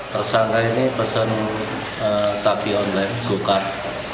tersangka ini pesan taksi online go kart